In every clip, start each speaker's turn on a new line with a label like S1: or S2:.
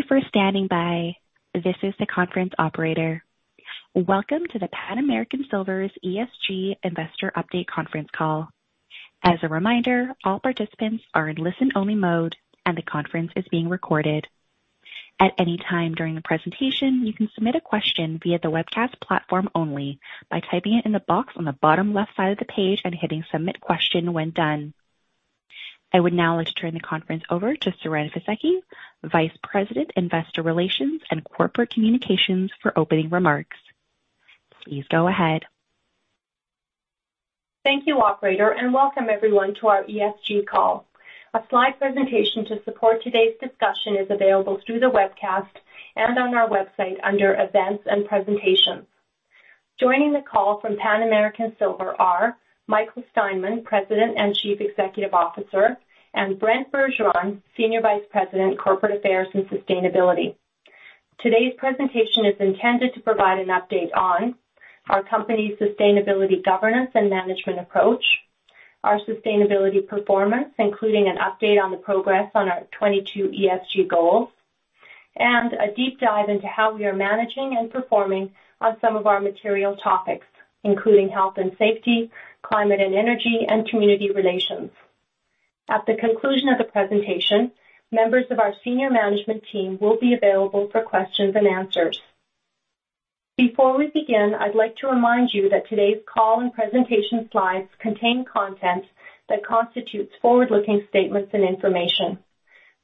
S1: Thank you for standing by. This is the conference operator. Welcome to the Pan American Silver's ESG Investor Update conference call. As a reminder, all participants are in listen-only mode, and the conference is being recorded. At any time during the presentation, you can submit a question via the webcast platform only by typing it in the box on the bottom left side of the page and hitting Submit Question when done. I would now like to turn the conference over to Siren Fisekci, Vice President, Investor Relations and Corporate Communications, for opening remarks. Please go ahead.
S2: Thank you, operator, and welcome everyone to our ESG call. A slide presentation to support today's discussion is available through the webcast and on our website under Events and Presentations. Joining the call from Pan American Silver are Michael Steinmann, President and Chief Executive Officer, and Brent Bergeron, Senior Vice President, Corporate Affairs and Sustainability. Today's presentation is intended to provide an update on our company's sustainability governance and management approach, our sustainability performance, including an update on the progress on our 22 ESG goals, and a deep dive into how we are managing and performing on some of our material topics, including health and safety, climate and energy, and community relations. At the conclusion of the presentation, members of our senior management team will be available for questions and answers. Before we begin, I'd like to remind you that today's call and presentation slides contain content that constitutes forward-looking statements and information.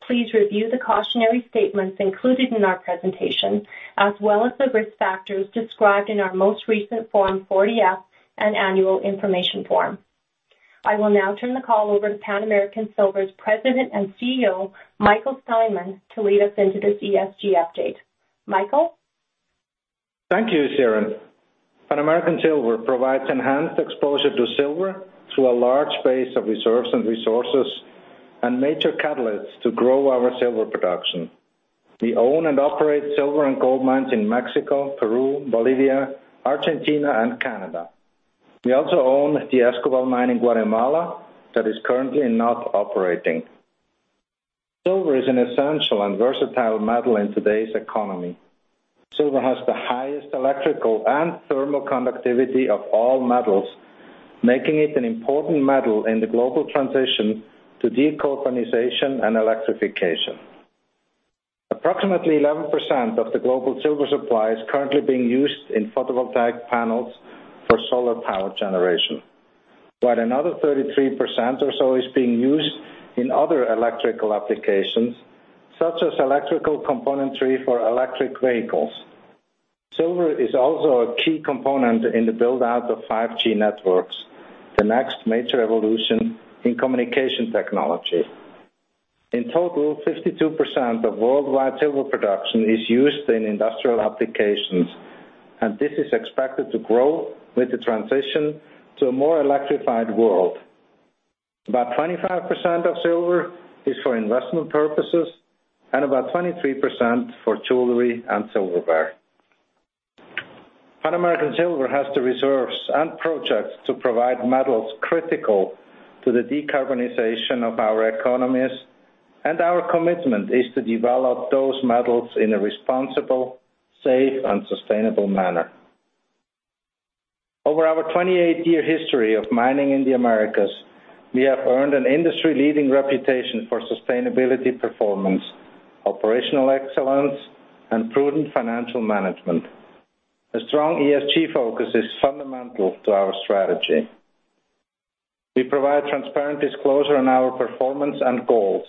S2: Please review the cautionary statements included in our presentation, as well as the risk factors described in our most recent Form 40-F and annual information form. I will now turn the call over to Pan American Silver's President and CEO, Michael Steinmann, to lead us into this ESG update. Michael?
S3: Thank you, Siren. Pan American Silver provides enhanced exposure to silver through a large base of reserves and resources and major catalysts to grow our silver production. We own and operate silver and gold mines in Mexico, Peru, Bolivia, Argentina, and Canada. We also own the Escobal Mine in Guatemala that is currently not operating. Silver is an essential and versatile metal in today's economy. Silver has the highest electrical and thermal conductivity of all metals, making it an important metal in the global transition to decarbonization and electrification. Approximately 11% of the global silver supply is currently being used in photovoltaic panels for solar power generation, while another 33% or so is being used in other electrical applications, such as electrical componentry for electric vehicles. Silver is also a key component in the build-out of 5G networks, the next major evolution in communication technology. In total, 52% of worldwide silver production is used in industrial applications, and this is expected to grow with the transition to a more electrified world. About 25% of silver is for investment purposes and about 23% for jewelry and silverware. Pan American Silver has the reserves and projects to provide metals critical to the decarbonization of our economies, and our commitment is to develop those metals in a responsible, safe, and sustainable manner. Over our 28-year history of mining in the Americas, we have earned an industry-leading reputation for sustainability performance, operational excellence, and prudent financial management. A strong ESG focus is fundamental to our strategy. We provide transparent disclosure on our performance and goals.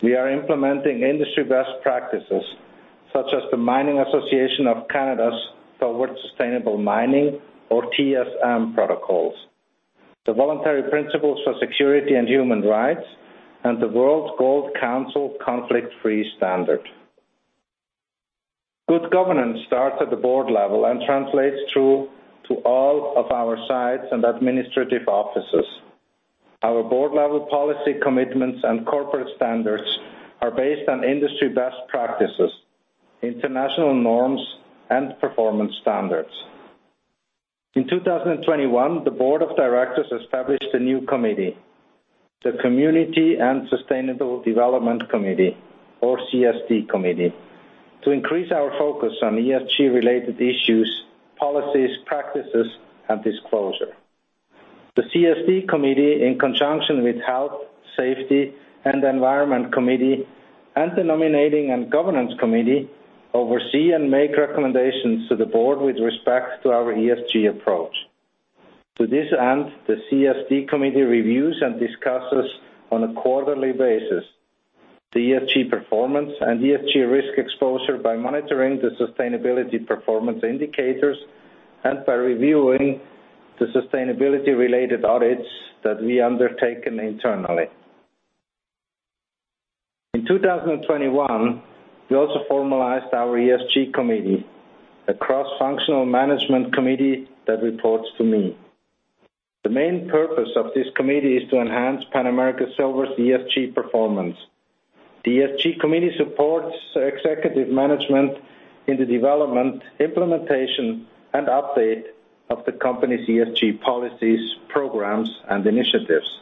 S3: We are implementing industry best practices such as the Mining Association of Canada's Toward Sustainable Mining or TSM protocols, the voluntary principles for security and human rights, and the World Gold Council Conflict-Free Standard. Good governance starts at the board level and translates through to all of our sites and administrative offices. Our board-level policy commitments and corporate standards are based on industry best practices, international norms, and performance standards. In 2021, the board of directors established a new committee, the Community and Sustainable Development Committee, or CSD Committee, to increase our focus on ESG-related issues, policies, practices, and disclosure. The CSD Committee, in conjunction with Health, Safety, and Environment Committee and the Nominating and Governance Committee, oversee and make recommendations to the board with respect to our ESG approach. To this end, the CSD Committee reviews and discusses on a quarterly basis the ESG performance and ESG risk exposure by monitoring the sustainability performance indicators and by reviewing the sustainability-related audits that we undertake internally. In 2021, we also formalized our ESG committee, a cross-functional management committee that reports to me. The main purpose of this committee is to enhance Pan American Silver's ESG performance. The ESG committee supports executive management in the development, implementation, and update of the company's ESG policies, programs, and initiatives.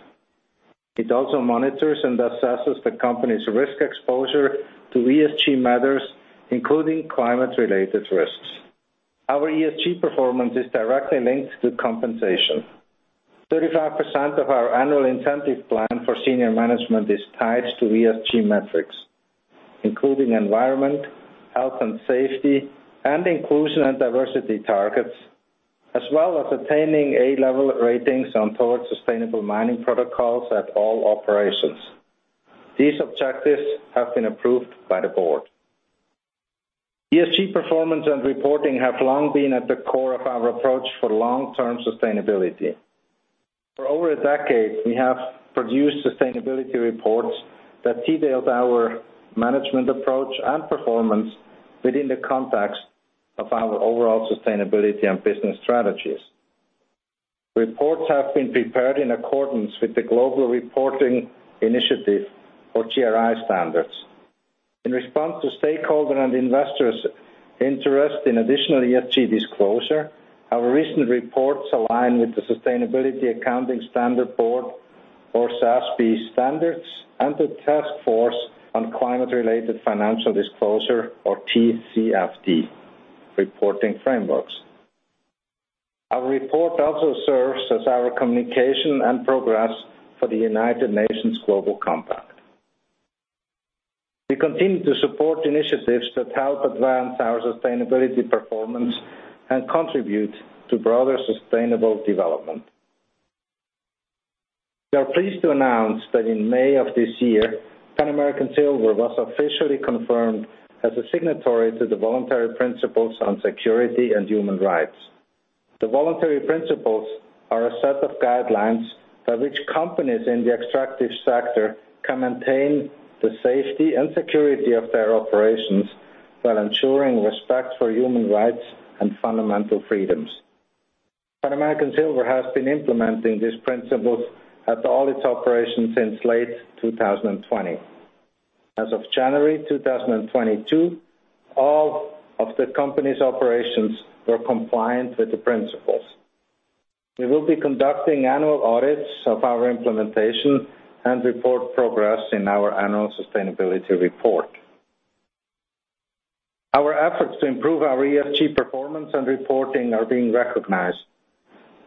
S3: It also monitors and assesses the company's risk exposure to ESG matters, including climate-related risks. Our ESG performance is directly linked to compensation. 35% of our annual incentive plan for senior management is tied to ESG metrics, including environment, health and safety, and inclusion and diversity targets, as well as attaining A-level ratings on Towards Sustainable Mining protocols at all operations. These objectives have been approved by the board. ESG performance and reporting have long been at the core of our approach for long-term sustainability. For over a decade, we have produced sustainability reports that detailed our management approach and performance within the context of our overall sustainability and business strategies. Reports have been prepared in accordance with the Global Reporting Initiative or GRI standards. In response to stakeholder and investors' interest in additional ESG disclosure, our recent reports align with the Sustainability Accounting Standards Board or SASB standards, and the Task Force on Climate-related Financial Disclosures or TCFD reporting frameworks. Our report also serves as our communication and progress for the United Nations Global Compact. We continue to support initiatives that help advance our sustainability performance and contribute to broader sustainable development. We are pleased to announce that in May of this year, Pan American Silver was officially confirmed as a signatory to the Voluntary Principles on Security and Human Rights. The Voluntary Principles on Security and Human Rights are a set of guidelines by which companies in the extractive sector can maintain the safety and security of their operations while ensuring respect for human rights and fundamental freedoms. Pan American Silver has been implementing these principles at all its operations since late 2020. As of January 2022, all of the company's operations were compliant with the principles. We will be conducting annual audits of our implementation and report progress in our annual sustainability report. Our efforts to improve our ESG performance and reporting are being recognized.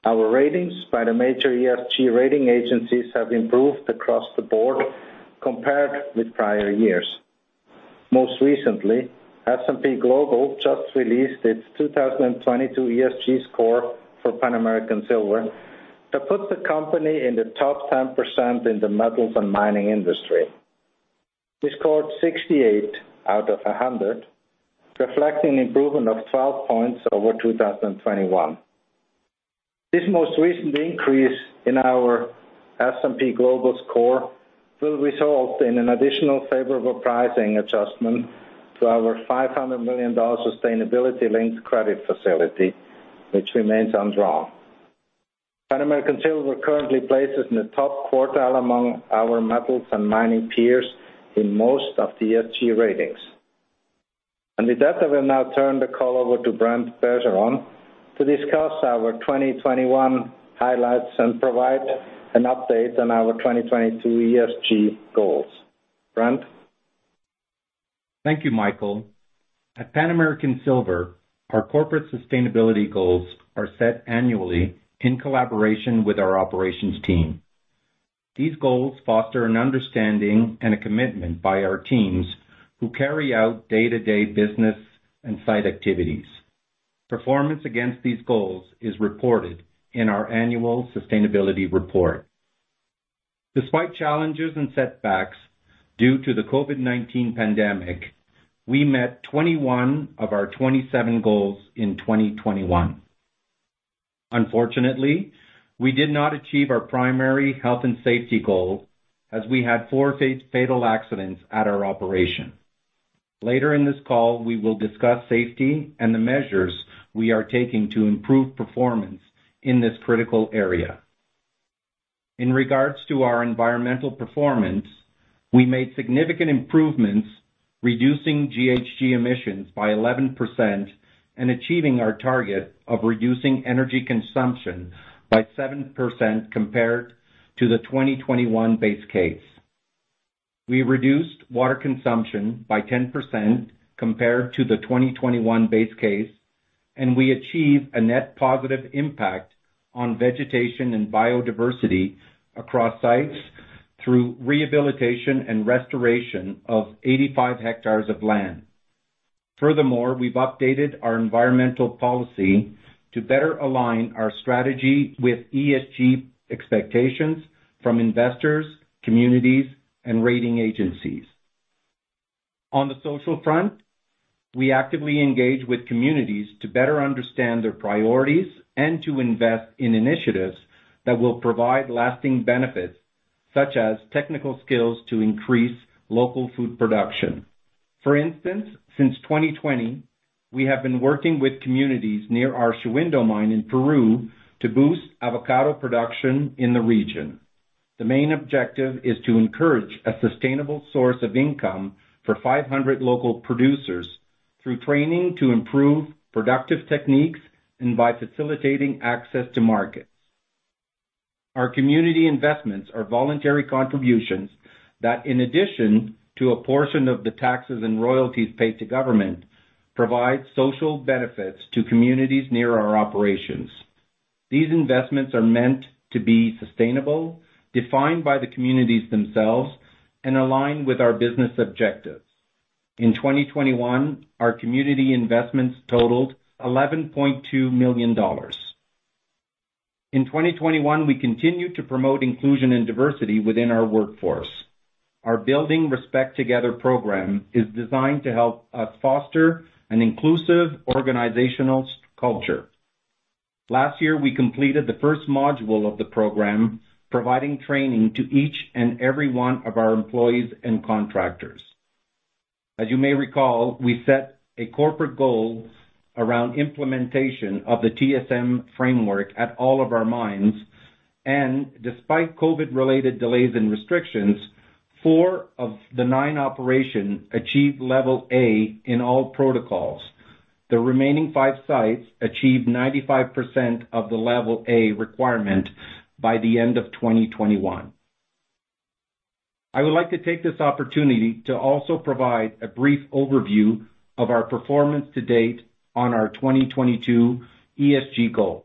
S3: Our ratings by the major ESG rating agencies have improved across the board compared with prior years. Most recently, S&P Global just released its 2022 ESG score for Pan American Silver that puts the company in the top 10% in the metals and mining industry. We scored 68 out of 100, reflecting improvement of 12 points over 2021. This most recent increase in our S&P Global score will result in an additional favorable pricing adjustment to our $500 million sustainability-linked credit facility, which remains undrawn. Pan American Silver currently places in the top quartile among our metals and mining peers in most of the ESG ratings. With that, I will now turn the call over to Brent Bergeron to discuss our 2021 highlights and provide an update on our 2022 ESG goals. Brent?
S4: Thank you, Michael. At Pan American Silver, our corporate sustainability goals are set annually in collaboration with our operations team. These goals foster an understanding and a commitment by our teams who carry out day-to-day business and site activities. Performance against these goals is reported in our annual sustainability report. Despite challenges and setbacks, due to the COVID-19 pandemic, we met 21 of our 27 goals in 2021. Unfortunately, we did not achieve our primary health and safety goal as we had four fatal accidents at our operation. Later in this call, we will discuss safety and the measures we are taking to improve performance in this critical area. In regards to our environmental performance, we made significant improvements, reducing GHG emissions by 11% and achieving our target of reducing energy consumption by 7% compared to the 2021 base case. We reduced water consumption by 10% compared to the 2021 base case, and we achieved a net positive impact on vegetation and biodiversity across sites through rehabilitation and restoration of 85 hectares of land. Furthermore, we've updated our environmental policy to better align our strategy with ESG expectations from investors, communities, and rating agencies. On the social front, we actively engage with communities to better understand their priorities and to invest in initiatives that will provide lasting benefits, such as technical skills to increase local food production. For instance, since 2020, we have been working with communities near our Shahuindo mine in Peru to boost avocado production in the region. The main objective is to encourage a sustainable source of income for 500 local producers. Through training to improve productive techniques and by facilitating access to markets. Our community investments are voluntary contributions that in addition to a portion of the taxes and royalties paid to government, provide social benefits to communities near our operations. These investments are meant to be sustainable, defined by the communities themselves, and aligned with our business objectives. In 2021, our community investments totaled $11.2 million. In 2021, we continued to promote inclusion and diversity within our workforce. Our Building Respect Together program is designed to help us foster an inclusive organizational culture. Last year, we completed the first module of the program, providing training to each and every one of our employees and contractors. As you may recall, we set a corporate goal around implementation of the TSM framework at all of our mines, and despite COVID-related delays and restrictions, four of the nine operations achieved level A in all protocols. The remaining five sites achieved 95% of the level A requirement by the end of 2021. I would like to take this opportunity to also provide a brief overview of our performance to date on our 2022 ESG goals.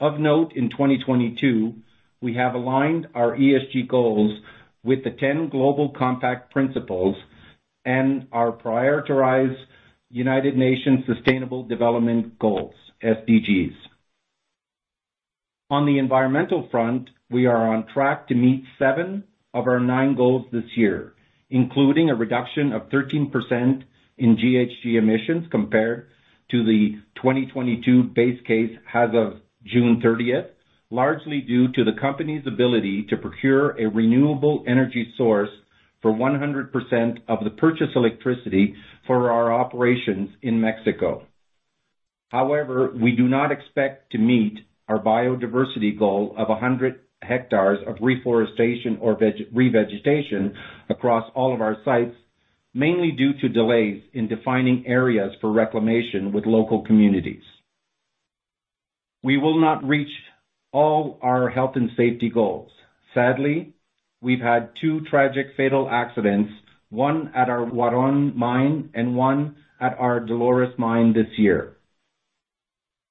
S4: Of note, in 2022, we have aligned our ESG goals with the ten global compact principles and our prioritized United Nations Sustainable Development Goals, SDGs. On the environmental front, we are on track to meet seven of our nine goals this year, including a reduction of 13% in GHG emissions compared to the 2022 base case as of June 30th, largely due to the company's ability to procure a renewable energy source for 100% of the purchase electricity for our operations in Mexico. However, we do not expect to meet our biodiversity goal of 100 hectares of reforestation or revegetation across all of our sites, mainly due to delays in defining areas for reclamation with local communities. We will not reach all our health and safety goals. Sadly, we've had two tragic fatal accidents, one at our Huaron mine and one at our Dolores mine this year.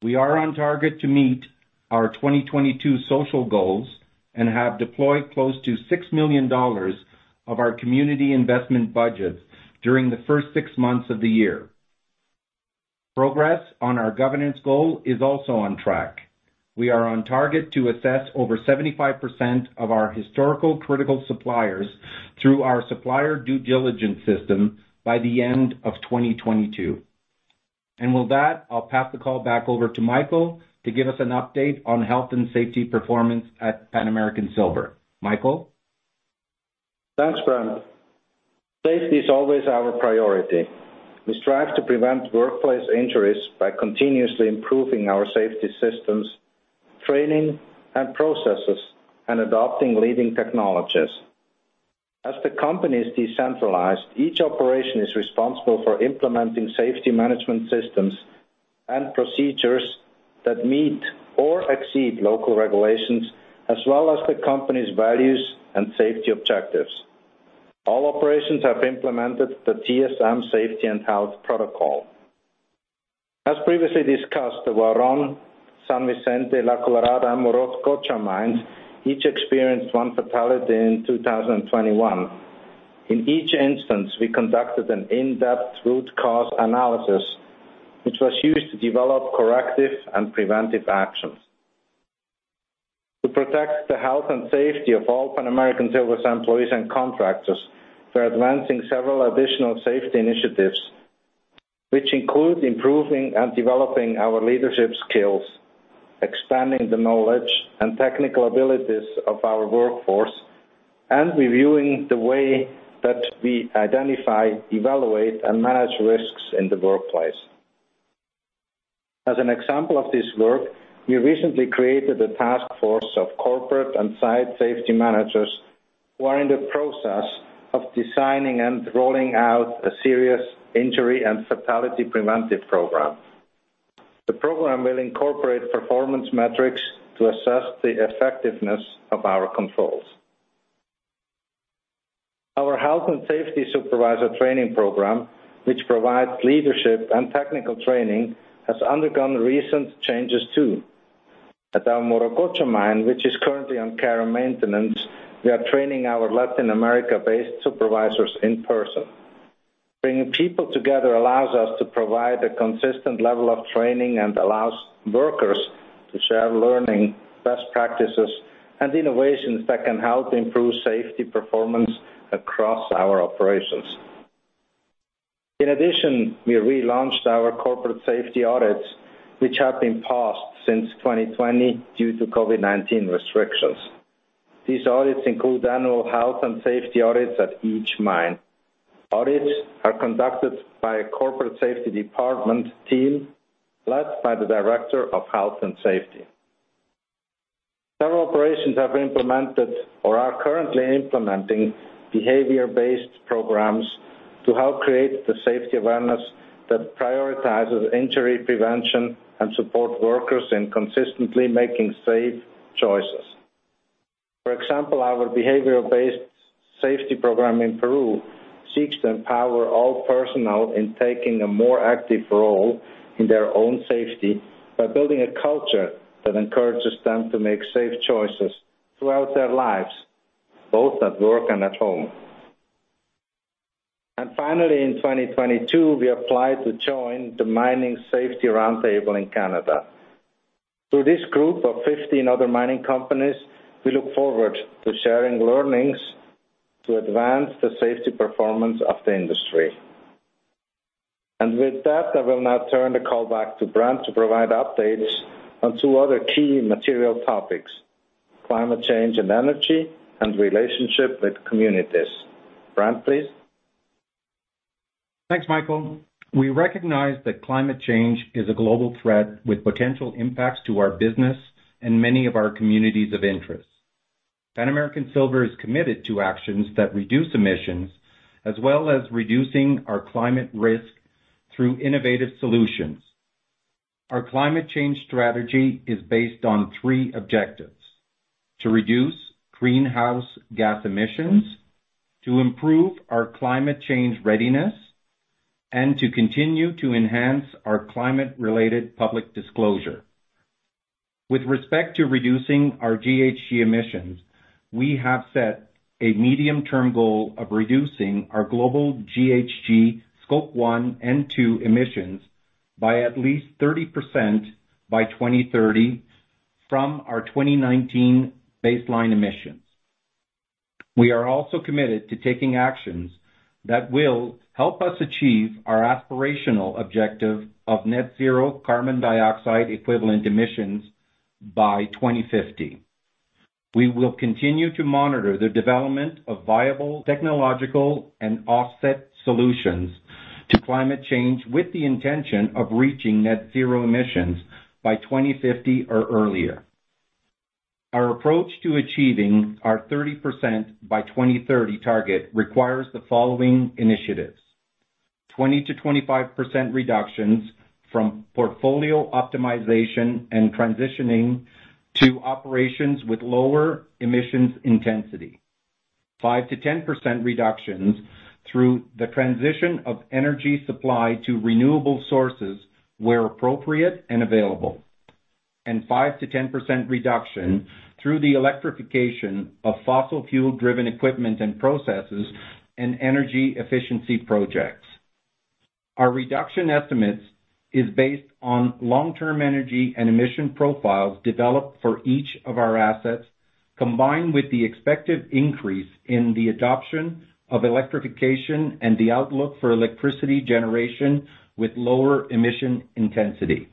S4: We are on target to meet our 2022 social goals and have deployed close to $6 million of our community investment budget during the first six months of the year. Progress on our governance goal is also on track. We are on target to assess over 75% of our historical critical suppliers through our supplier due diligence system by the end of 2022. With that, I'll pass the call back over to Michael to give us an update on health and safety performance at Pan American Silver. Michael?
S3: Thanks, Brent. Safety is always our priority. We strive to prevent workplace injuries by continuously improving our safety systems, training and processes, and adopting leading technologies. As the company is decentralized, each operation is responsible for implementing safety management systems and procedures that meet or exceed local regulations, as well as the company's values and safety objectives. All operations have implemented the TSM safety and health protocol. As previously discussed, the Huaron, San Vicente, La Colorada, and Morococha mines each experienced one fatality in 2021. In each instance, we conducted an in-depth root cause analysis, which was used to develop corrective and preventive actions. To protect the health and safety of all Pan American Silver's employees and contractors, we're advancing several additional safety initiatives, which include improving and developing our leadership skills, expanding the knowledge and technical abilities of our workforce, and reviewing the way that we identify, evaluate, and manage risks in the workplace. As an example of this work, we recently created a task force of corporate and site safety managers who are in the process of designing and rolling out a serious injury and fatality preventive program. The program will incorporate performance metrics to assess the effectiveness of our controls. Our health and safety supervisor training program, which provides leadership and technical training, has undergone recent changes too. At our Morococha mine, which is currently on care and maintenance, we are training our Latin America-based supervisors in person. Bringing people together allows us to provide a consistent level of training and allows workers to share learning, best practices, and innovations that can help improve safety performance across our operations. In addition, we relaunched our corporate safety audits, which have been paused since 2020 due to COVID-19 restrictions. These audits include annual health and safety audits at each mine. Audits are conducted by a corporate safety department team led by the director of health and safety. Several operations have implemented or are currently implementing behavior-based programs to help create the safety awareness that prioritizes injury prevention and support workers in consistently making safe choices. For example, our behavior-based safety program in Peru seeks to empower all personnel in taking a more active role in their own safety by building a culture that encourages them to make safe choices throughout their lives, both at work and at home. Finally, in 2022, we applied to join the Mining Safety Round Table in Canada. Through this group of 15 other mining companies, we look forward to sharing learnings to advance the safety performance of the industry. With that, I will now turn the call back to Brent to provide updates on two other key material topics, climate change and energy, and relationship with communities. Brent, please.
S4: Thanks, Michael. We recognize that climate change is a global threat with potential impacts to our business and many of our communities of interest. Pan American Silver is committed to actions that reduce emissions, as well as reducing our climate risk through innovative solutions. Our climate change strategy is based on three objectives to reduce greenhouse gas emissions, to improve our climate change readiness, and to continue to enhance our climate-related public disclosure. With respect to reducing our GHG emissions, we have set a medium-term goal of reducing our global GHG Scope 1 and 2 emissions by at least 30% by 2030 from our 2019 baseline emissions. We are also committed to taking actions that will help us achieve our aspirational objective of net zero carbon dioxide equivalent emissions by 2050. We will continue to monitor the development of viable technological and offset solutions to climate change with the intention of reaching net zero emissions by 2050 or earlier. Our approach to achieving our 30% by 2030 target requires the following initiatives. 20%-25% reductions from portfolio optimization and transitioning to operations with lower emissions intensity. 5%-10% reductions through the transition of energy supply to renewable sources where appropriate and available. 5%-10% reduction through the electrification of fossil fuel-driven equipment and processes and energy efficiency projects. Our reduction estimates is based on long-term energy and emission profiles developed for each of our assets, combined with the expected increase in the adoption of electrification and the outlook for electricity generation with lower emission intensity.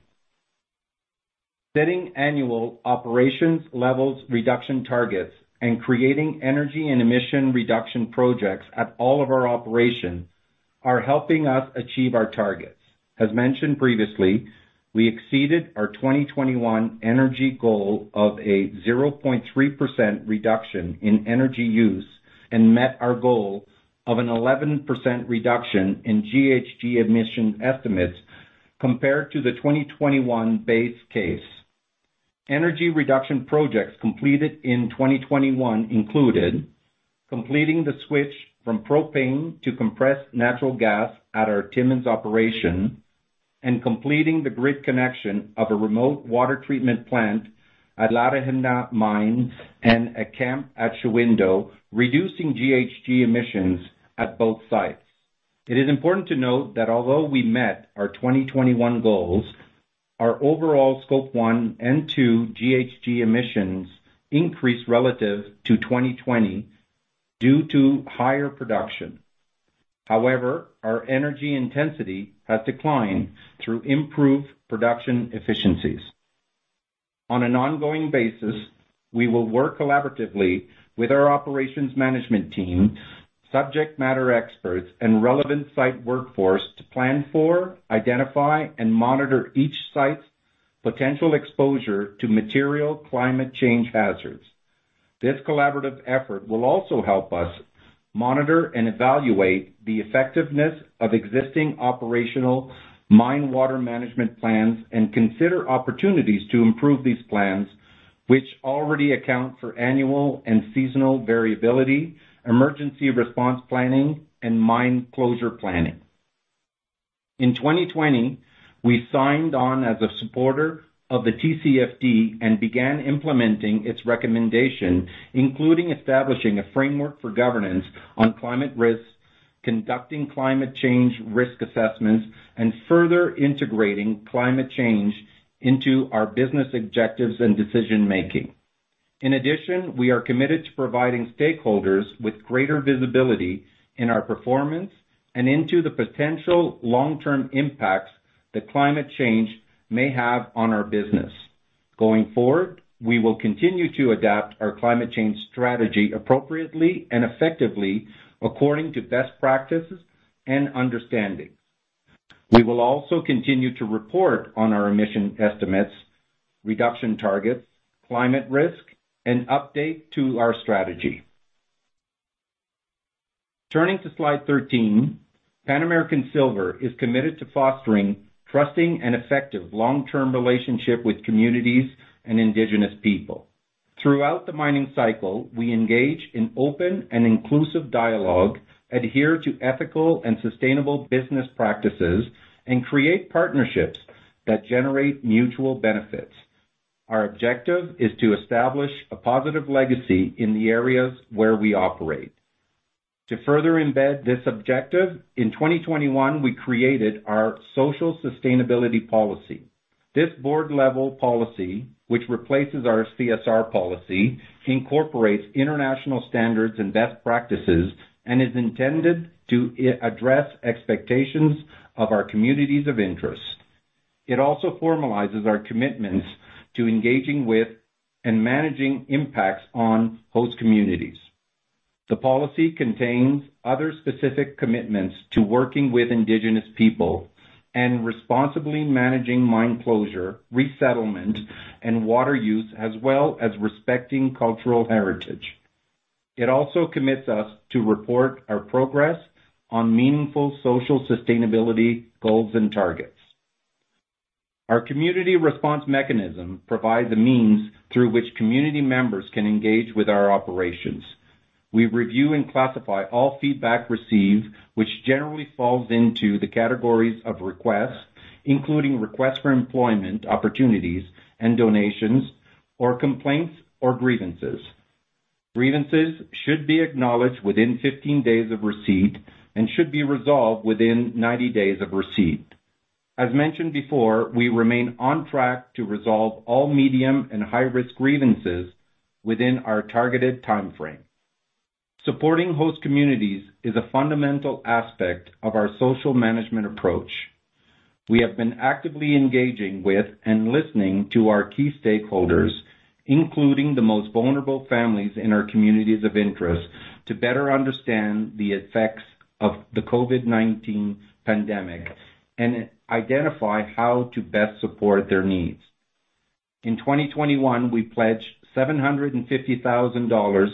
S4: Setting annual operations levels reduction targets and creating energy and emission reduction projects at all of our operations are helping us achieve our targets. As mentioned previously, we exceeded our 2021 energy goal of a 0.3% reduction in energy use and met our goal of an 11% reduction in GHG emission estimates compared to the 2021 base case. Energy reduction projects completed in 2021 included completing the switch from propane to compressed natural gas at our Timmins operation, and completing the grid connection of a remote water treatment plant at La Arena mine and a camp at Shahuindo, reducing GHG emissions at both sites. It is important to note that although we met our 2021 goals, our overall Scope 1 and 2 GHG emissions increased relative to 2020 due to higher production. However, our energy intensity has declined through improved production efficiencies. On an ongoing basis, we will work collaboratively with our operations management team, subject matter experts, and relevant site workforce to plan for, identify, and monitor each site's potential exposure to material climate change hazards. This collaborative effort will also help us monitor and evaluate the effectiveness of existing operational mine water management plans and consider opportunities to improve these plans, which already account for annual and seasonal variability, emergency response planning, and mine closure planning. In 2020, we signed on as a supporter of the TCFD and began implementing its recommendation, including establishing a framework for governance on climate risks, conducting climate change risk assessments, and further integrating climate change into our business objectives and decision-making. In addition, we are committed to providing stakeholders with greater visibility in our performance and into the potential long-term impacts that climate change may have on our business. Going forward, we will continue to adapt our climate change strategy appropriately and effectively according to best practices and understanding. We will also continue to report on our emission estimates, reduction targets, climate risk, and update to our strategy. Turning to slide 13, Pan American Silver is committed to fostering trusting and effective long-term relationship with communities and indigenous people. Throughout the mining cycle, we engage in open and inclusive dialogue, adhere to ethical and sustainable business practices, and create partnerships that generate mutual benefits. Our objective is to establish a positive legacy in the areas where we operate. To further embed this objective, in 2021, we created our Social Sustainability Policy. This board-level policy, which replaces our CSR policy, incorporates international standards and best practices and is intended to address expectations of our communities of interest. It also formalizes our commitments to engaging with and managing impacts on host communities. The policy contains other specific commitments to working with indigenous people and responsibly managing mine closure, resettlement, and water use, as well as respecting cultural heritage. It also commits us to report our progress on meaningful social sustainability goals and targets. Our community response mechanism provides a means through which community members can engage with our operations. We review and classify all feedback received, which generally falls into the categories of requests, including requests for employment opportunities and donations or complaints or grievances. Grievances should be acknowledged within 15 days of receipt and should be resolved within 90 days of receipt. As mentioned before, we remain on track to resolve all medium and high-risk grievances within our targeted timeframe. Supporting host communities is a fundamental aspect of our social management approach. We have been actively engaging with and listening to our key stakeholders, including the most vulnerable families in our communities of interest, to better understand the effects of the COVID-19 pandemic and identify how to best support their needs. In 2021, we pledged $750,000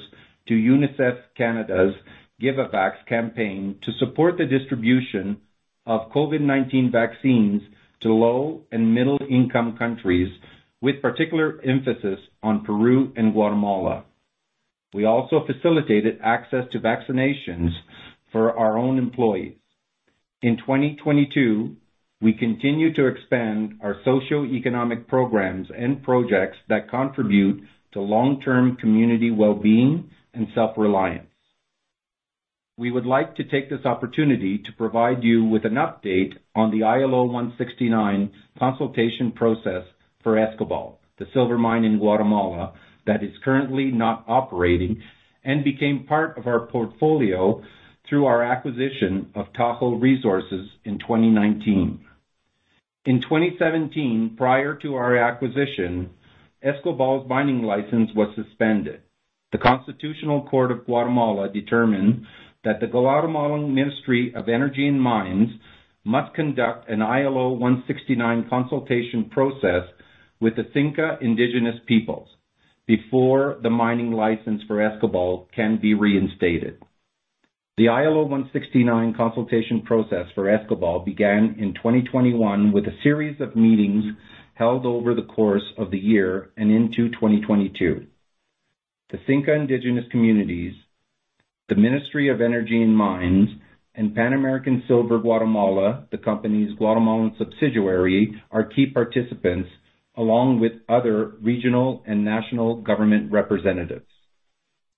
S4: to UNICEF Canada's GiveAVax campaign to support the distribution of COVID-19 vaccines to low and middle-income countries, with particular emphasis on Peru and Guatemala. We also facilitated access to vaccinations for our own employees. In 2022, we continue to expand our socioeconomic programs and projects that contribute to long-term community well-being and self-reliance. We would like to take this opportunity to provide you with an update on the ILO 169 consultation process for Escobal, the silver mine in Guatemala that is currently not operating and became part of our portfolio through our acquisition of Tahoe Resources in 2019. In 2017, prior to our acquisition, Escobal's mining license was suspended. The Constitutional Court of Guatemala determined that the Guatemalan Ministry of Energy and Mines must conduct an ILO 169 consultation process with the Xinka indigenous peoples before the mining license for Escobal can be reinstated. The ILO 169 consultation process for Escobal began in 2021 with a series of meetings held over the course of the year and into 2022. The Xinka indigenous communities, the Ministry of Energy and Mines, and PAS Guatemala, the company's Guatemalan subsidiary, are key participants along with other regional and national government representatives.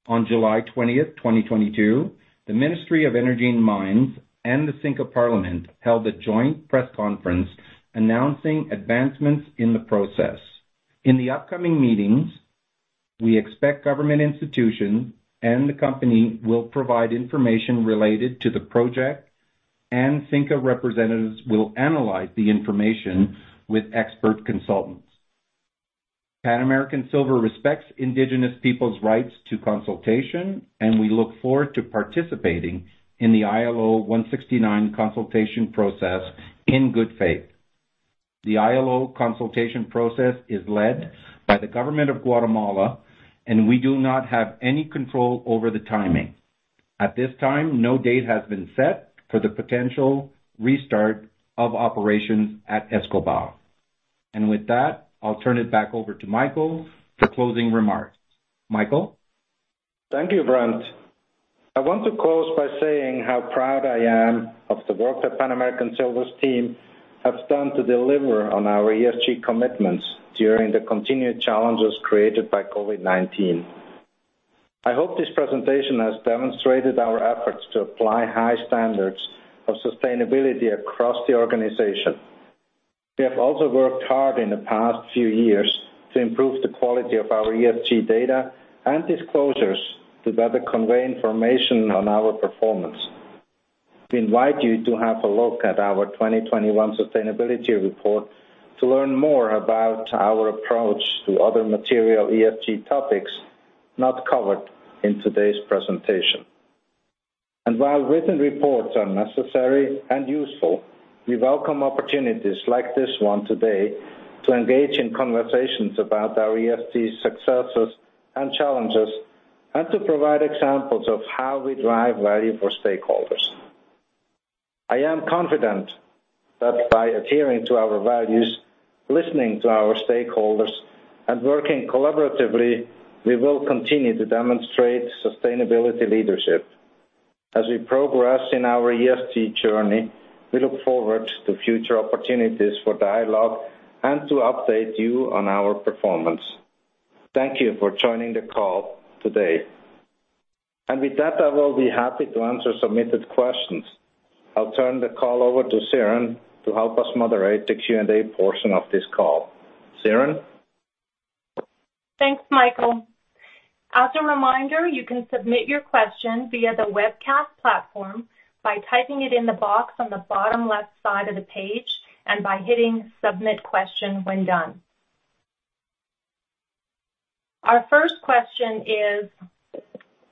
S4: On July 20th, 2022, the Ministry of Energy and Mines and the Xinka Parliament held a joint press conference announcing advancements in the process. In the upcoming meetings, we expect government institutions and the company will provide information related to the project, and Xinka representatives will analyze the information with expert consultants. Pan American Silver respects indigenous people's rights to consultation, and we look forward to participating in the ILO 169 consultation process in good faith. The ILO consultation process is led by the government of Guatemala, and we do not have any control over the timing. At this time, no date has been set for the potential restart of operations at Escobal. With that, I'll turn it back over to Michael for closing remarks. Michael?
S3: Thank you, Brent. I want to close by saying how proud I am of the work that Pan American Silver's team have done to deliver on our ESG commitments during the continued challenges created by COVID-19. I hope this presentation has demonstrated our efforts to apply high standards of sustainability across the organization. We have also worked hard in the past few years to improve the quality of our ESG data and disclosures to better convey information on our performance. We invite you to have a look at our 2021 sustainability report to learn more about our approach to other material ESG topics not covered in today's presentation. While written reports are necessary and useful, we welcome opportunities like this one today to engage in conversations about our ESG successes and challenges, and to provide examples of how we drive value for stakeholders. I am confident that by adhering to our values, listening to our stakeholders, and working collaboratively, we will continue to demonstrate sustainability leadership. As we progress in our ESG journey, we look forward to future opportunities for dialogue and to update you on our performance. Thank you for joining the call today. With that, I will be happy to answer submitted questions. I'll turn the call over to Siren to help us moderate the Q&A portion of this call. Siren?
S2: Thanks, Michael. As a reminder, you can submit your question via the webcast platform by typing it in the box on the bottom left side of the page and by hitting Submit Question when done. Our first question is,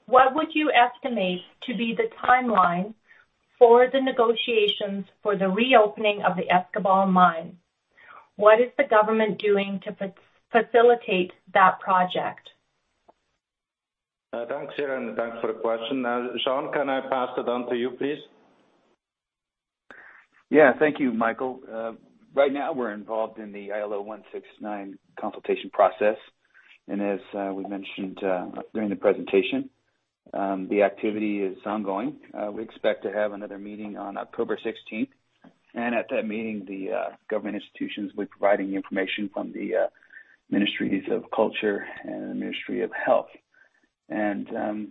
S2: what would you estimate to be the timeline for the negotiations for the reopening of the Escobal mine? What is the government doing to facilitate that project?
S3: Thanks, Siren, thanks for the question. Sean, can I pass it on to you, please?
S5: Yeah, thank you, Michael. Right now we're involved in the ILO 169 consultation process, and as we mentioned during the presentation, the activity is ongoing. We expect to have another meeting on October 16th, and at that meeting, the government institutions will be providing information from the Ministries of Culture and the Ministry of Health.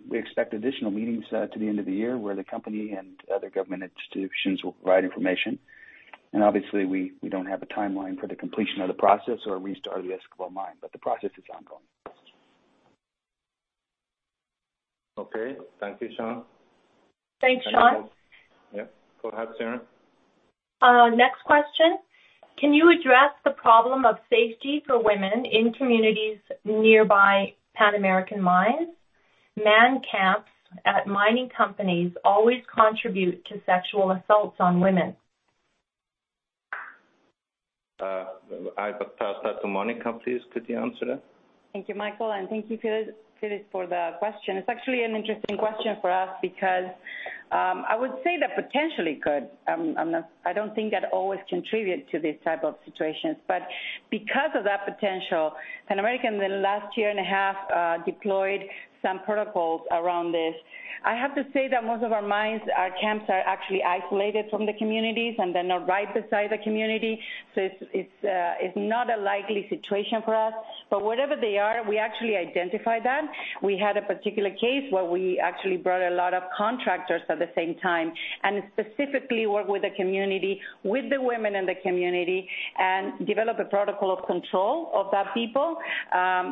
S5: We expect additional meetings to the end of the year where the company and other government institutions will provide information. Obviously, we don't have a timeline for the completion of the process or restart of the Escobal mine, but the process is ongoing.
S3: Okay. Thank you, Sean.
S2: Thanks, Sean.
S3: Yeah. Go ahead, Siren.
S2: Next question. Can you address the problem of safety for women in communities nearby Pan American mines? Man camps at mining companies always contribute to sexual assaults on women.
S3: I will pass that to Monica, please. Could you answer that?
S6: Thank you, Michael, and thank you to Chris for the question. It's actually an interesting question for us because I would say that potentially could. I don't think that always contribute to these type of situations, but because of that potential, Pan American, in the last year and a half, deployed some protocols around this. I have to say that most of our mines, our camps are actually isolated from the communities and they're not right beside the community. It's not a likely situation for us. But wherever they are, we actually identify that. We had a particular case where we actually brought a lot of contractors at the same time and specifically work with the community, with the women in the community and develop a protocol of control of that people.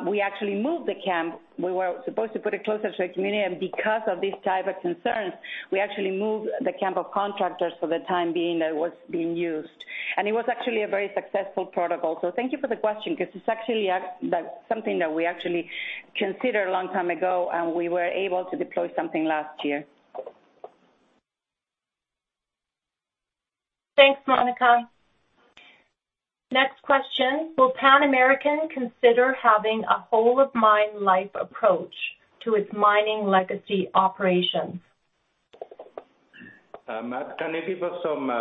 S6: We actually moved the camp. We were supposed to put it closer to a community, and because of this type of concerns, we actually moved the camp of contractors for the time being that was being used. It was actually a very successful protocol. Thank you for the question 'cause it's actually that's something that we actually considered a long time ago, and we were able to deploy something last year.
S2: Thanks, Monica. Next question. Will Pan American consider having a whole of mine life approach to its mining legacy operations?
S3: Matt, can you give us some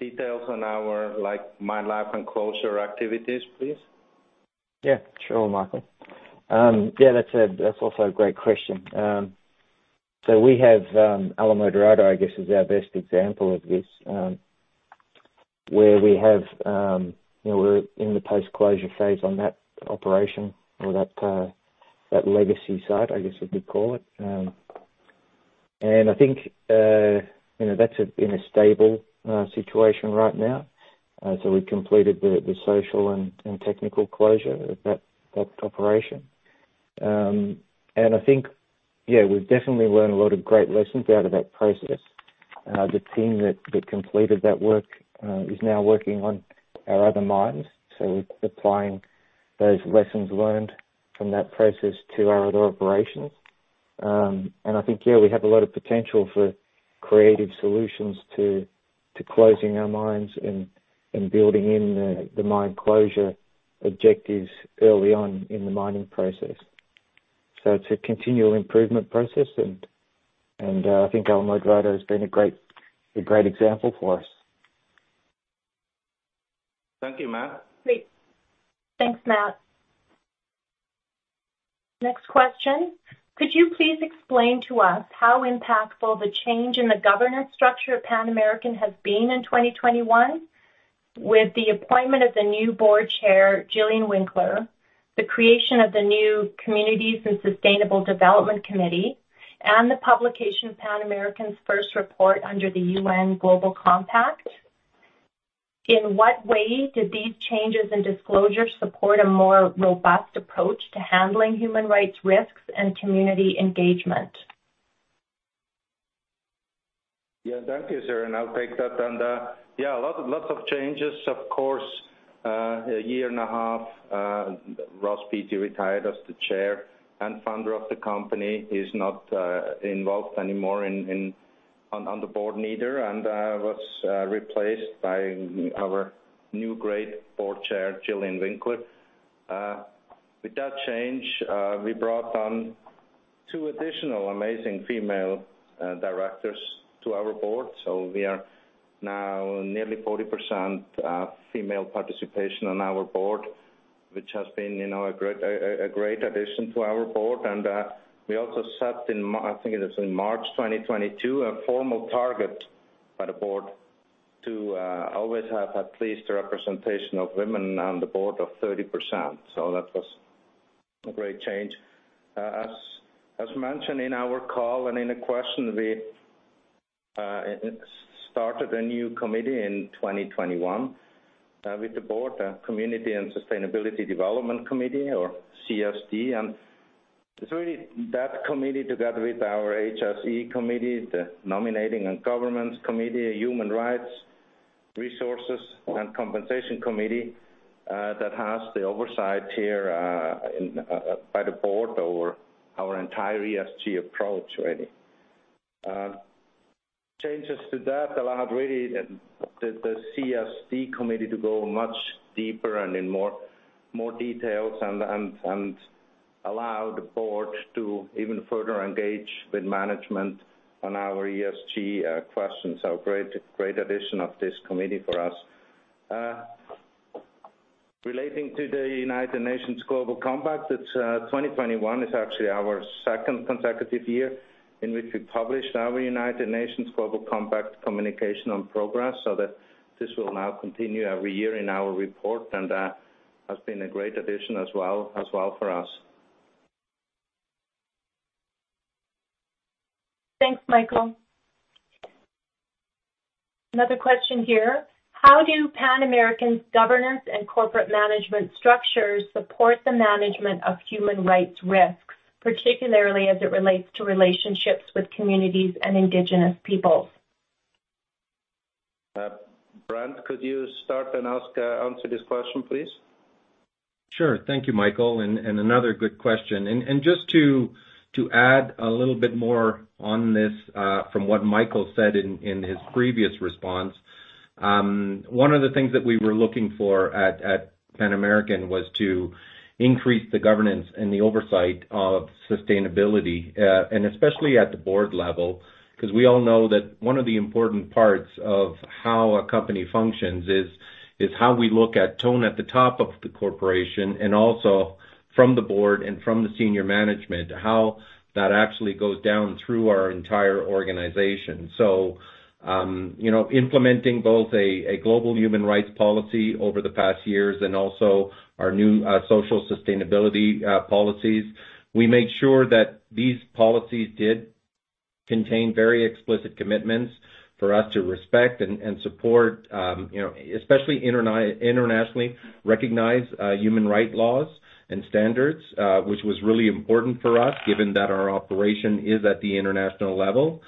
S3: details on our, like, mine life and closure activities, please?
S7: Yeah, sure, Michael. Yeah, that's also a great question. We have Alamo Dorado, I guess, is our best example of this, where we have, you know, we're in the post-closure phase on that operation or that legacy site, I guess you could call it. I think, you know, that's in a stable situation right now. We've completed the social and technical closure of that operation. I think, yeah, we've definitely learned a lot of great lessons out of that process. The team that completed that work is now working on our other mines. We're applying those lessons learned from that process to our other operations. I think, yeah, we have a lot of potential for creative solutions to closing our mines and I think Alamo Dorado has been a great example for us.
S3: Thank you, Matt.
S2: Great. Thanks, Matt. Next question. Could you please explain to us how impactful the change in the governance structure of Pan American has been in 2021 with the appointment of the new board chair, Gillian Winckler, the creation of the new Communities and Sustainable Development Committee, and the publication of Pan American's first report under the UN Global Compact? In what way do these changes in disclosure support a more robust approach to handling human rights risks and community engagement?
S3: Yeah, thank you, sir. I'll take that. Yeah, a lot of changes. Of course, a year and a half, Ross Beaty retired as the chair and founder of the company, is not involved anymore on the board neither, and was replaced by our new great board chair, Gillian Winckler. With that change, we brought on two additional amazing female directors to our board. We are now nearly 40% female participation on our board, which has been, you know, a great addition to our board. We also set, I think it was in March 2022, a formal target by the board to always have at least a representation of women on the board of 30%. That was a great change. As mentioned in our call and in a question, we started a new committee in 2021 with the board, Communities and Sustainable Development Committee or CSD. It's really that committee together with our HSE committee, the Nominating and Governance committee, Human Resources and Compensation committee that has the oversight here, in by the board over our entire ESG approach really. Changes to that allowed really the CSD committee to go much deeper and in more details and allow the board to even further engage with management on our ESG questions. Great addition of this committee for us. Relating to the United Nations Global Compact, it's 2021 is actually our second consecutive year in which we published our United Nations Global Compact Communication on Progress, so that this will now continue every year in our report, and has been a great addition as well for us.
S2: Thanks, Michael. Another question here. How do Pan American's governance and corporate management structures support the management of human rights risks, particularly as it relates to relationships with communities and indigenous peoples?
S3: Brent, could you start and answer this question, please?
S4: Sure. Thank you, Michael. Another good question. Just to add a little bit more on this, from what Michael said in his previous response, one of the things that we were looking for at Pan American was to increase the governance and the oversight of sustainability, and especially at the board level, 'cause we all know that one of the important parts of how a company functions is how we look at tone at the top of the corporation and also from the board and from the senior management, how that actually goes down through our entire organization. you know, implementing both a global human rights policy over the past years and also our new social sustainability policies, we made sure that these policies did contain very explicit commitments for us to respect and support, you know, especially internationally recognized human rights laws and standards, which was really important for us given that our operation is at the international level.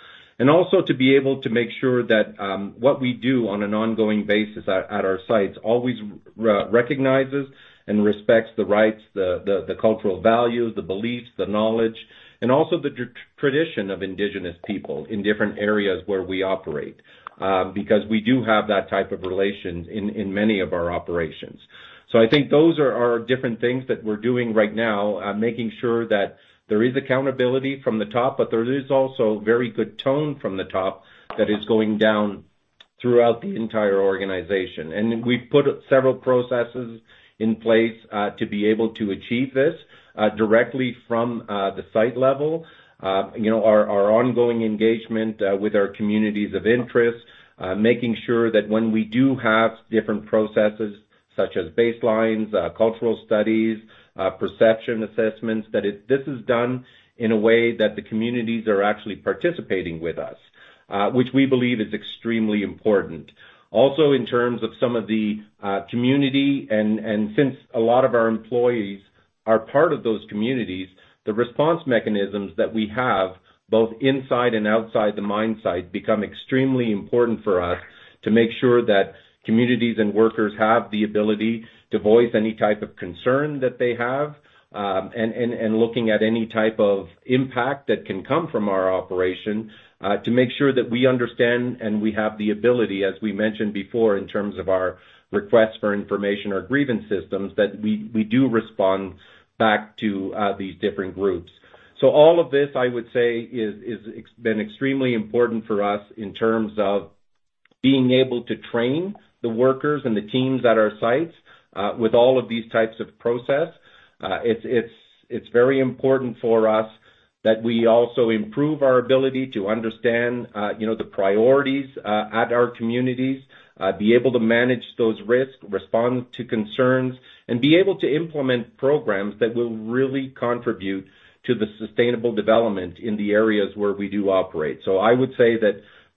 S4: To be able to make sure that what we do on an ongoing basis at our sites always recognizes and respects the rights, the cultural values, the beliefs, the knowledge, and also the tradition of indigenous people in different areas where we operate, because we do have that type of relations in many of our operations. I think those are our different things that we're doing right now, making sure that there is accountability from the top, but there is also very good tone from the top that is going down throughout the entire organization. We've put several processes in place to be able to achieve this directly from the site level. You know, our ongoing engagement with our communities of interest, making sure that when we do have different processes such as baselines, cultural studies, perception assessments, that this is done in a way that the communities are actually participating with us, which we believe is extremely important. Also, in terms of some of the community and since a lot of our employees are part of those communities, the response mechanisms that we have both inside and outside the mine site become extremely important for us to make sure that communities and workers have the ability to voice any type of concern that they have, and looking at any type of impact that can come from our operation, to make sure that we understand and we have the ability, as we mentioned before, in terms of our requests for information or grievance systems, that we do respond back to these different groups. All of this, I would say, has been extremely important for us in terms of being able to train the workers and the teams at our sites with all of these types of process. It's very important for us that we also improve our ability to understand, you know, the priorities at our communities, be able to manage those risks, respond to concerns, and be able to implement programs that will really contribute to the sustainable development in the areas where we do operate. I would say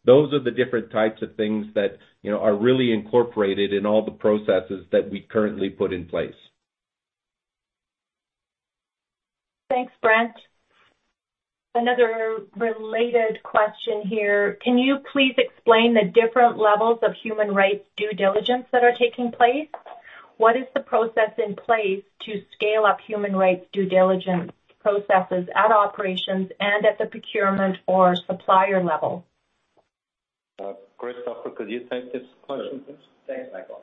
S4: that those are the different types of things that, you know, are really incorporated in all the processes that we currently put in place.
S2: Thanks, Brent. Another related question here. Can you please explain the different levels of human rights due diligence that are taking place? What is the process in place to scale up human rights due diligence processes at operations and at the procurement or supplier level?
S3: Christopher, could you take this question, please?
S8: Thanks, Michael.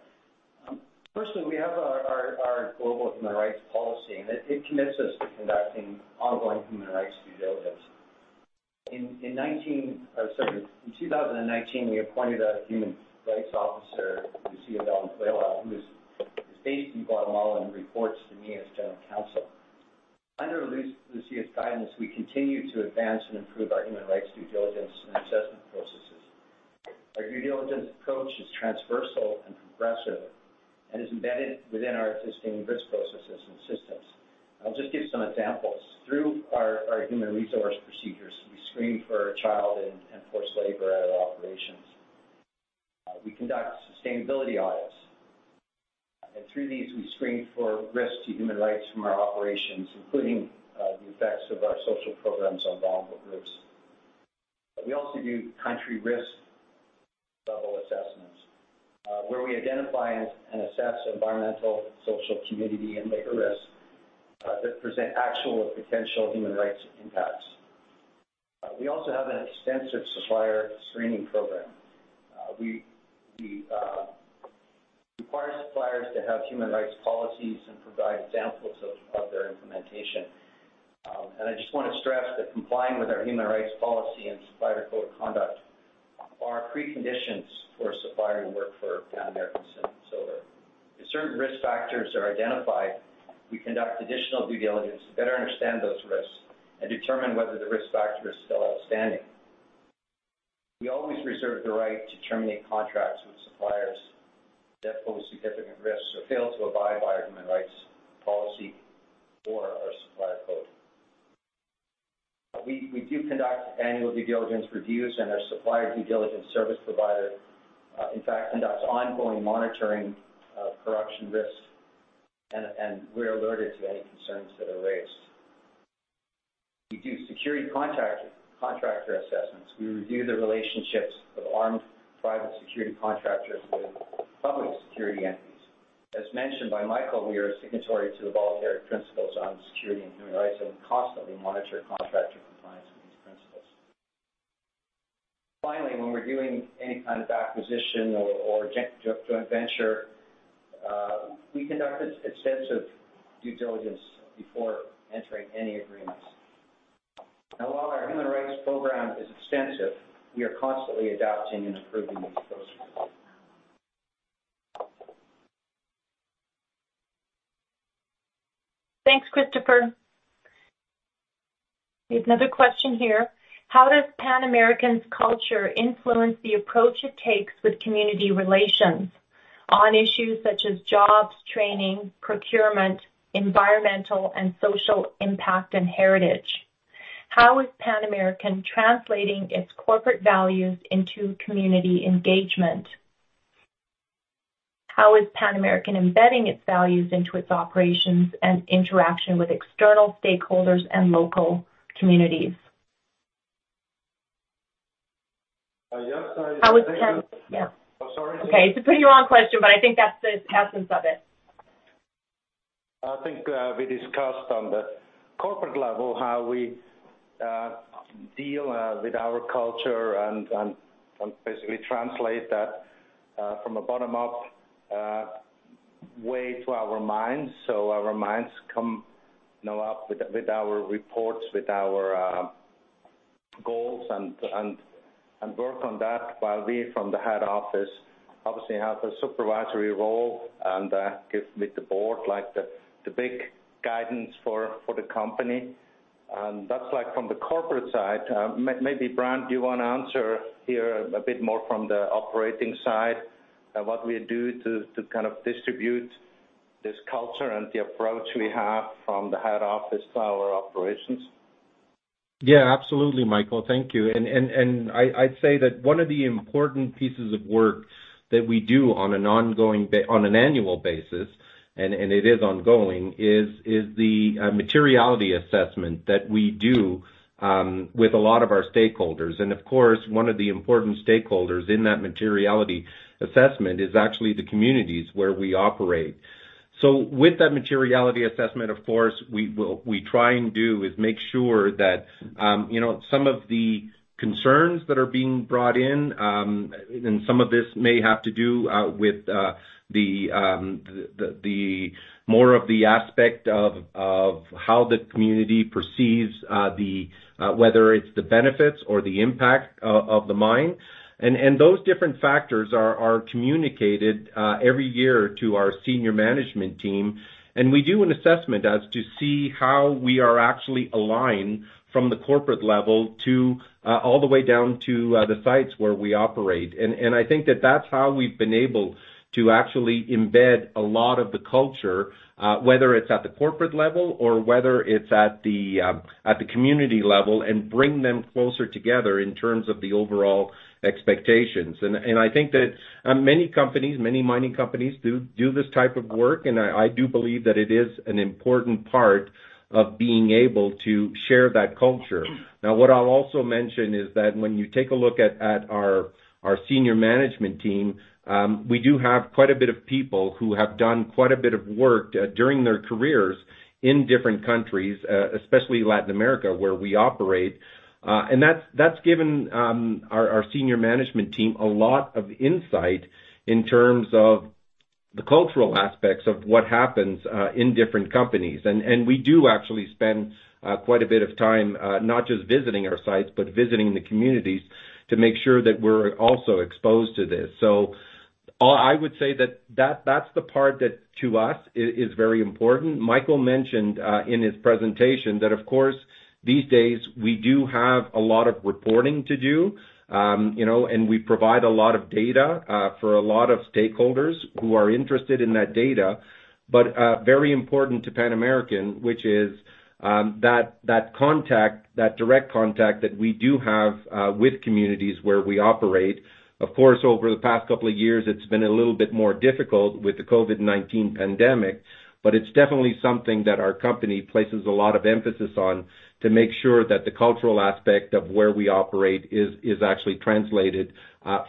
S8: Firstly, we have our global human rights policy, and it commits us to conducting ongoing human rights due diligence. In 2019, we appointed a human rights officer, Lucia Valenzuela, who's based in Guatemala and reports to me as general counsel. Under Lucia's guidance, we continue to advance and improve our human rights due diligence and assessment processes. Our due diligence approach is transversal and progressive, and is embedded within our existing risk processes and systems. I'll just give some examples. Through our human resource procedures, we screen for child and forced labor at our operations. We conduct sustainability audits, and through these we screen for risks to human rights from our operations, including the effects of our social programs on vulnerable groups. We also do country risk level assessments, where we identify and assess environmental, social, community and labor risks that present actual or potential human rights impacts. We also have an extensive supplier screening program. We require suppliers to have human rights policies and provide examples of their implementation. I just wanna stress that complying with our human rights policy and supplier code of conduct are preconditions for a supplier to work for Pan American Silver. If certain risk factors are identified, we conduct additional due diligence to better understand those risks and determine whether the risk factor is still outstanding. We always reserve the right to terminate contracts with suppliers that pose significant risks or fail to abide by our human rights policy or our supplier code. We do conduct annual due diligence reviews, and our supplier due diligence service provider in fact conducts ongoing monitoring of corruption risks, and we're alerted to any concerns that are raised. We do security contractor assessments. We review the relationships with armed private security contractors with public security entities. As mentioned by Michael, we are signatory to the Voluntary Principles on Security and Human Rights, and we constantly monitor contractor compliance with these principles. Finally, when we're doing any kind of acquisition or joint venture, we conduct extensive due diligence before entering any agreements. Now, while our human rights program is extensive, we are constantly adapting and improving these processes.
S2: Thanks, Christopher. We have another question here. How does Pan American's culture influence the approach it takes with community relations on issues such as jobs, training, procurement, environmental and social impact and heritage? How is Pan American translating its corporate values into community engagement? How is Pan American embedding its values into its operations and interaction with external stakeholders and local communities?
S3: Yes.
S2: How is Pan-
S3: Oh, sorry.
S2: Okay. It's a pretty long question, but I think that's the essence of it.
S3: I think we discussed on the corporate level how we deal with our culture and basically translate that from a bottom up way to our mines. Our mines come, you know, up with our reports, with our goals and work on that while we from the head office obviously have a supervisory role and give with the board, like the big guidance for the company. That's like from the corporate side. Maybe, Brent, do you wanna answer here a bit more from the operating side, what we do to kind of distribute this culture and the approach we have from the head office to our operations?
S4: Yeah, absolutely, Michael. Thank you. I'd say that one of the important pieces of work that we do on an ongoing basis on an annual basis, and it is ongoing, is the materiality assessment that we do with a lot of our stakeholders. Of course, one of the important stakeholders in that materiality assessment is actually the communities where we operate. With that materiality assessment, of course, we try and do is make sure that you know, some of the concerns that are being brought in, and some of this may have to do with the more of the aspect of how the community perceives whether it's the benefits or the impact of the mine. Those different factors are communicated every year to our senior management team. We do an assessment as to see how we are actually aligned from the corporate level to all the way down to the sites where we operate. I think that that's how we've been able to actually embed a lot of the culture whether it's at the corporate level or whether it's at the community level, and bring them closer together in terms of the overall expectations. I think that many companies, many mining companies do this type of work, and I do believe that it is an important part of being able to share that culture. Now, what I'll also mention is that when you take a look at our senior management team, we do have quite a bit of people who have done quite a bit of work during their careers in different countries, especially Latin America, where we operate. That's given our senior management team a lot of insight in terms of the cultural aspects of what happens in different companies. We do actually spend quite a bit of time not just visiting our sites, but visiting the communities to make sure that we're also exposed to this. I would say that that's the part that to us is very important. Michael mentioned in his presentation that of course, these days we do have a lot of reporting to do. You know, we provide a lot of data for a lot of stakeholders who are interested in that data. Very important to Pan American Silver, which is that contact, that direct contact that we do have with communities where we operate. Of course, over the past couple of years, it's been a little bit more difficult with the COVID-19 pandemic, but it's definitely something that our company places a lot of emphasis on to make sure that the cultural aspect of where we operate is actually translated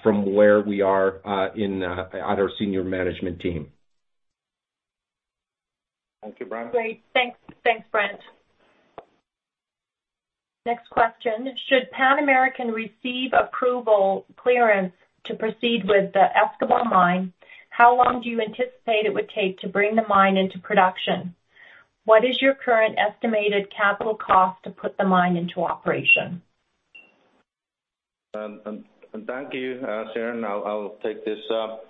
S4: from where we are in at our senior management team.
S3: Thank you, Brent.
S2: Great. Thanks. Thanks, Brent. Next question. Should Pan American receive approval clearance to proceed with the Escobal Mine, how long do you anticipate it would take to bring the mine into production? What is your current estimated capital cost to put the mine into operation?
S3: And thank you, Siren. I'll take this up.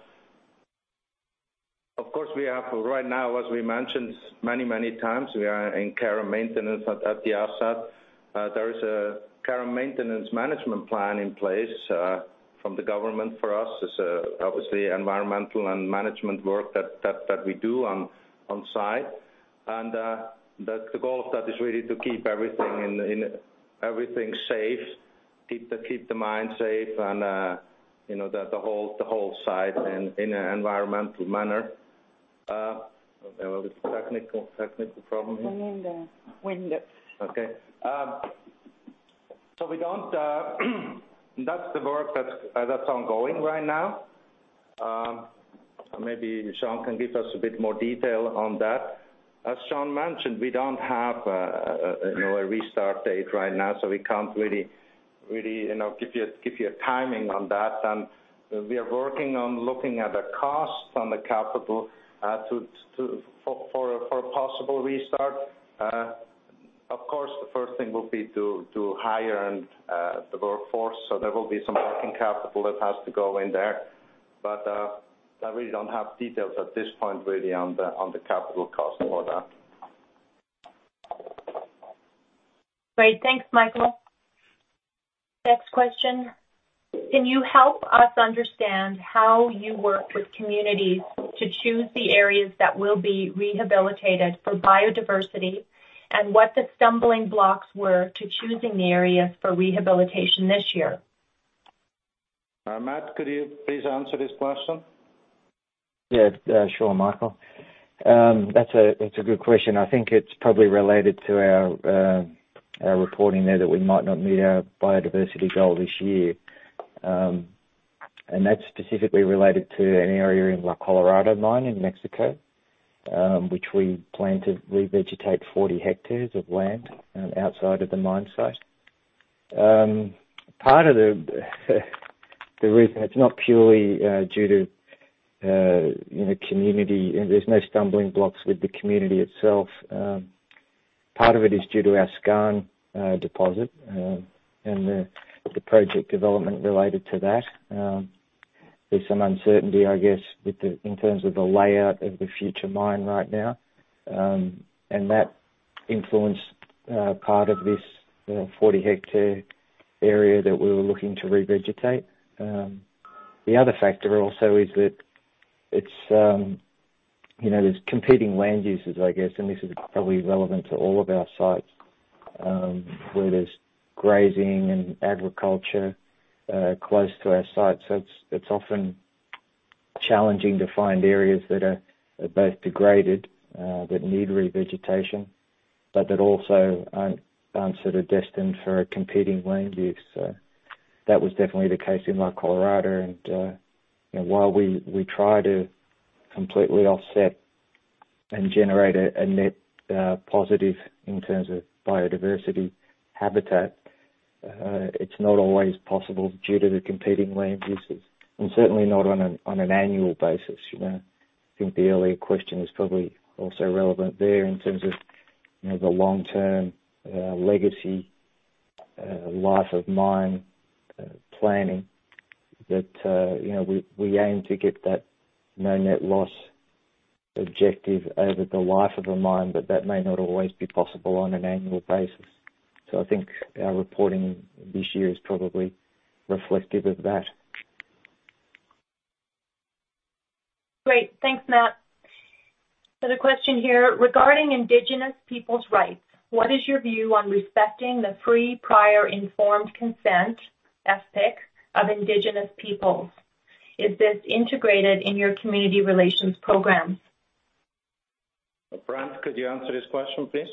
S3: Of course, we are right now, as we mentioned many times, we are in care and maintenance at the asset. There is a care and maintenance management plan in place from the government for us. It's obviously environmental and management work that we do on site. The goal of that is really to keep everything in. Everything safe, keep the mine safe and, you know, the whole site in an environmental manner. There was a technical problem here.
S2: Window.
S3: Okay. That's the work that's ongoing right now. Maybe Sean can give us a bit more detail on that. As Sean mentioned, we don't have you know a restart date right now, so we can't really you know give you a timing on that. We are working on looking at the capital costs for a possible restart. Of course, the first thing will be to hire the workforce. There will be some working capital that has to go in there. But I really don't have details at this point on the capital costs for that.
S2: Great. Thanks, Michael. Next question. Can you help us understand how you work with communities to choose the areas that will be rehabilitated for biodiversity and what the stumbling blocks were to choosing the areas for rehabilitation this year?
S3: Matt, could you please answer this question?
S7: Yeah, sure, Michael. That's a good question. I think it's probably related to our reporting there that we might not meet our biodiversity goal this year. That's specifically related to an area in La Colorada mine in Mexico, which we plan to revegetate 40 hectares of land outside of the mine site. Part of the reason it's not purely due to you know, community, and there's no stumbling blocks with the community itself. Part of it is due to our skarn deposit and the project development related to that. There's some uncertainty, I guess, with the in terms of the layout of the future mine right now. That influenced part of this, you know, 40-hectare area that we were looking to revegetate. The other factor also is that it's, you know, there's competing land uses, I guess, and this is probably relevant to all of our sites, where there's grazing and agriculture close to our site. It's often challenging to find areas that are both degraded that need revegetation, but that also aren't sort of destined for a competing land use. That was definitely the case in La Colorada. You know, while we try to completely offset and generate a net positive in terms of biodiversity habitat, it's not always possible due to the competing land uses, and certainly not on an annual basis, you know. I think the earlier question is probably also relevant there in terms of, you know, the long-term, legacy, life of mine, planning that, you know, we aim to get that no net loss objective over the life of a mine, but that may not always be possible on an annual basis. I think our reporting this year is probably reflective of that.
S2: Great. Thanks, Matt. The question here, regarding indigenous people's rights, what is your view on respecting the Free Prior and Informed Consent, FPIC, of indigenous peoples? Is this integrated in your community relations programs?
S3: Brent, could you answer this question, please?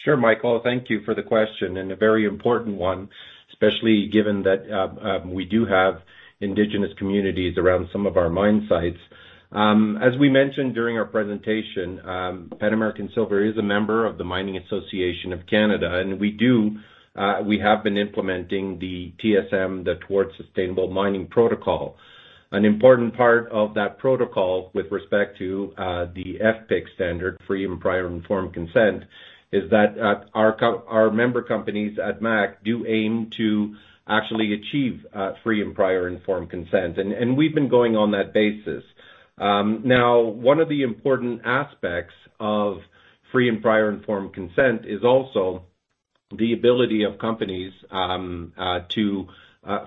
S4: Sure, Michael, thank you for the question, and a very important one, especially given that we do have indigenous communities around some of our mine sites. As we mentioned during our presentation, Pan American Silver is a member of the Mining Association of Canada, and we have been implementing the TSM, the Towards Sustainable Mining protocol. An important part of that protocol with respect to the FPIC standard, free and prior informed consent, is that our member companies at MAC do aim to actually achieve free and prior informed consent. We've been going on that basis. Now one of the important aspects of free and prior informed consent is also the ability of companies to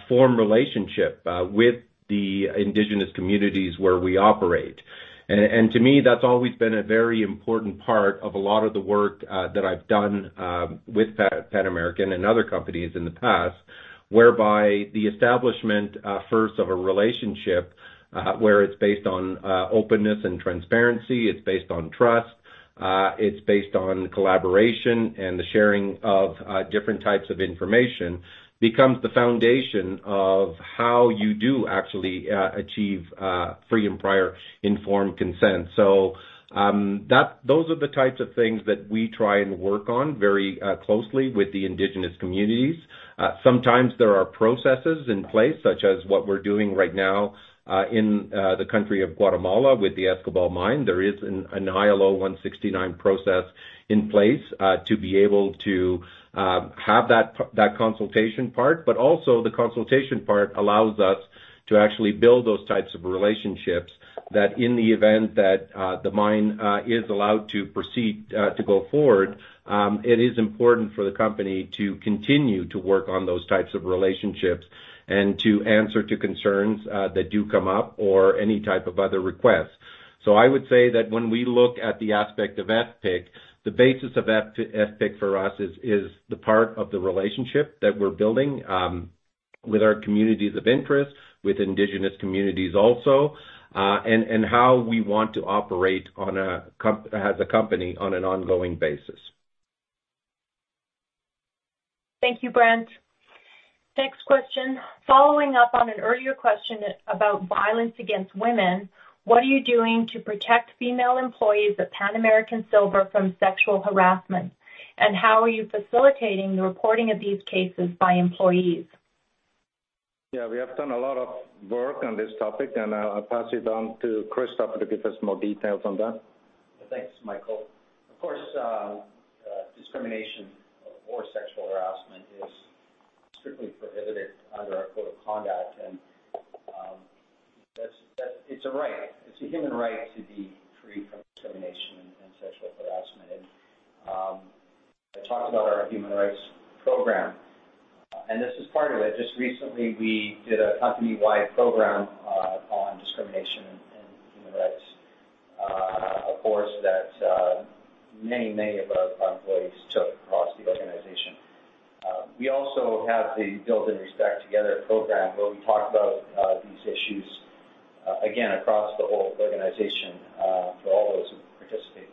S4: form relationship with the indigenous communities where we operate. To me, that's always been a very important part of a lot of the work that I've done with Pan American and other companies in the past, whereby the establishment first of a relationship where it's based on openness and transparency, it's based on trust, it's based on collaboration and the sharing of different types of information, becomes the foundation of how you do actually achieve free and prior informed consent. Those are the types of things that we try and work on very closely with the indigenous communities. Sometimes there are processes in place, such as what we're doing right now in the country of Guatemala with the Escobal Mine. There is an ILO 169 process in place to be able to have that consultation part. Also the consultation part allows us to actually build those types of relationships that in the event that the mine is allowed to proceed to go forward, it is important for the company to continue to work on those types of relationships and to answer to concerns that do come up or any type of other requests. I would say that when we look at the aspect of FPIC, the basis of FPIC for us is the part of the relationship that we're building with our communities of interest, with indigenous communities also, and how we want to operate as a company on an ongoing basis.
S2: Thank you, Brent. Next question. Following up on an earlier question about violence against women, what are you doing to protect female employees of Pan American Silver from sexual harassment? How are you facilitating the reporting of these cases by employees?
S3: Yeah, we have done a lot of work on this topic, and I'll pass it on to Christopher to give us more details on that.
S8: Thanks, Michael. Of course, discrimination or sexual harassment is strictly prohibited under our code of conduct. It's a right. It's a human right to be free from discrimination and sexual harassment. I talked about our human rights program, and this is part of it. Just recently, we did a company-wide program on discrimination and human rights, a course that many of our employees took across the organization. We also have the Building Respect Together program, where we talk about these issues again across the whole organization for all those who participate.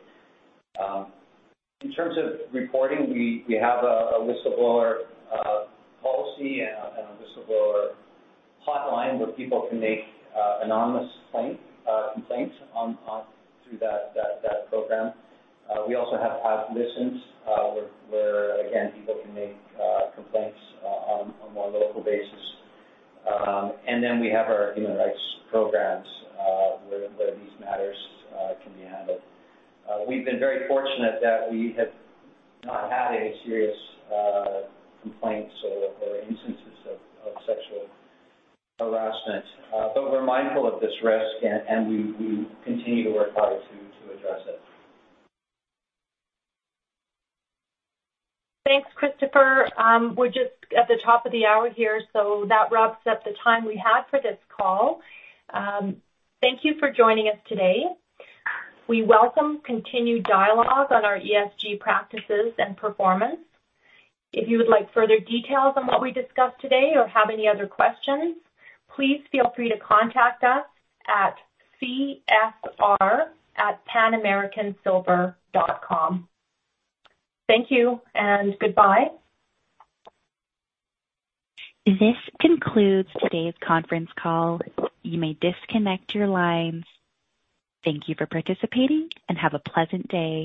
S8: In terms of reporting, we have a whistleblower policy and a whistleblower hotline where people can make anonymous claim complaints on through that program. We also have site visits, where again, people can make complaints on a more local basis. We have our human rights programs, where these matters can be handled. We've been very fortunate that we have not had any serious complaints or instances of sexual harassment. We're mindful of this risk and we continue to work hard to address it.
S2: Thanks, Christopher. We're just at the top of the hour here, that wraps up the time we had for this call. Thank you for joining us today. We welcome continued dialogue on our ESG practices and performance. If you would like further details on what we discussed today or have any other questions, please feel free to contact us at cfr@panamericansilver.com. Thank you and goodbye.
S1: This concludes today's conference call. You may disconnect your lines. Thank you for participating, and have a pleasant day.